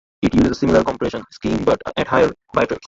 It uses a similar compression scheme but at higher bitrate.